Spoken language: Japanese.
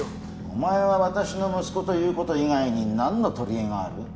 お前は私の息子という事以外になんの取りえがある？